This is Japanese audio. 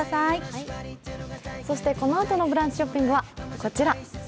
そしてこのあとのブランチショッピングはこちら。